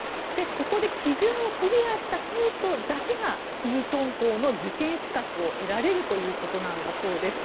ここで基準をクリアした生徒だけイートン校の受験資格を得られるということなんだそうです。